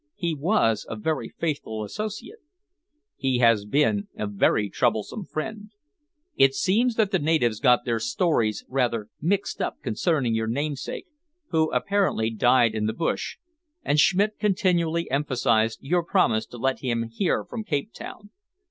"He was a very faithful associate." "He has been a very troublesome friend. It seems that the natives got their stories rather mixed up concerning your namesake, who apparently died in the bush, and Schmidt continually emphasised your promise to let him hear from Cape Town.